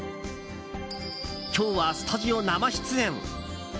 今日はスタジオ生出演。